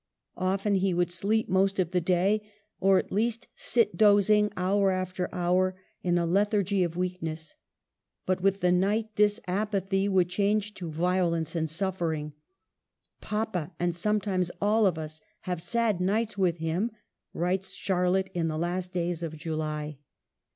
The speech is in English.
Often he would sleep most of the day ; or at least sit dozing hour after hour in a lethargy of weak ness ; but with the night this apathy would change to violence and suffering. " Papa, and sometimes all of us have sad nights with him," writes Charlotte in the last days of July.